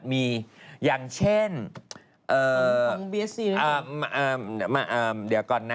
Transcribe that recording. มีอย่างเช่นเดี๋ยวก่อนนะ